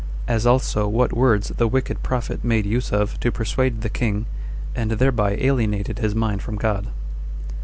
As Also What Words The Wicked Prophet Made Use Of To Persuade The King, And Thereby Alienated His Mind From God.